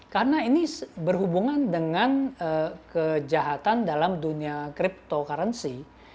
karena ini berhubungan dengan kejahatan dalam dunia cryptocurrency